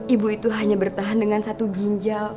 ibu itu hanya bertahan dengan satu ginjal